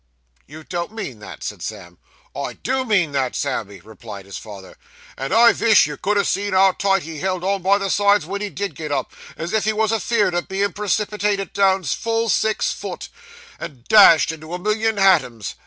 'You don't mean that?' said Sam. 'I do mean that, Sammy,' replied his father, 'and I vish you could ha' seen how tight he held on by the sides wen he did get up, as if he wos afeerd o' being precipitayted down full six foot, and dashed into a million hatoms.